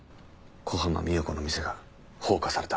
小浜三代子の店が放火された。